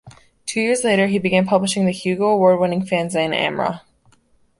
Two years later, he began publishing the Hugo Award-winning fanzine "Amra".